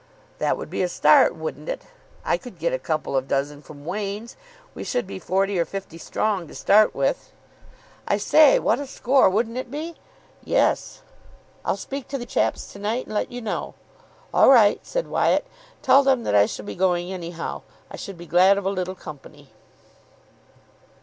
"That would be a start, wouldn't it? I could get a couple of dozen from Wain's. We should be forty or fifty strong to start with." "I say, what a score, wouldn't it be?" "Yes." "I'll speak to the chaps to night, and let you know." "All right," said Wyatt. "Tell them that I shall be going anyhow. I should be glad of a little company."